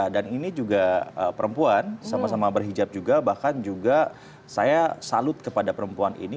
dan ini juga perempuan sama sama berhijab juga bahkan juga saya salut kepada perempuan ini